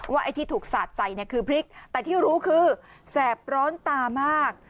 ไอ้ที่ถูกสาดใส่เนี่ยคือพริกแต่ที่รู้คือแสบร้อนตามาก